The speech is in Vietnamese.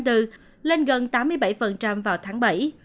hiệu quả ngăn lây nhiễm nói chung là tám mươi